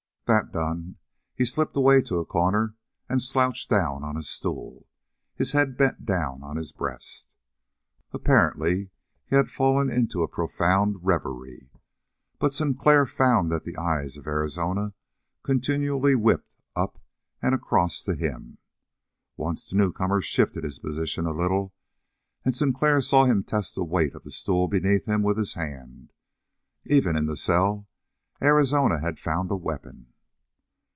That done, he slipped away to a corner and slouched down on a stool, his head bent down on his breast. Apparently he had fallen into a profound reverie, but Sinclair found that the eyes of Arizona continually whipped up and across to him. Once the newcomer shifted his position a little, and Sinclair saw him test the weight of the stool beneath him with his hand. Even in the cell Arizona had found a weapon.